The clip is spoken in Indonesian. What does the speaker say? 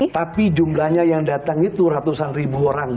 tapi jumlahnya yang datang itu ratusan ribu orang